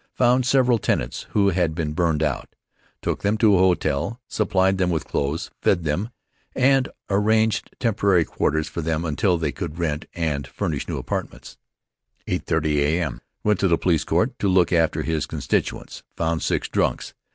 Found several tenants who had been burned out, took them to a hotel, supplied them with clothes, fed them, and arranged temporary quarters for them until they could rent and furnish new apartments. 8:30 A.M.: Went to the police court to look after his constituents. Found six "drunks."